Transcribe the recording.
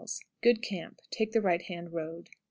Good camp. Take the right hand road.